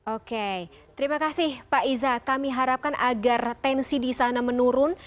oke terima kasih pak iza kami harapkan agar tensi di sana menurun